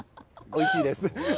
おいしいです。